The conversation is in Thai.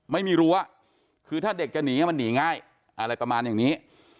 ไม่รู้ว่าคือถ้าเด็กจะหนีมันหนีง่ายอะไรประมาณอย่างนี้